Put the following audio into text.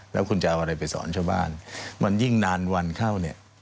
แล้วคุณจะเอาอะไรไปสอนชาวบ้านมันยิ่งนานวันเข้าเนี่ย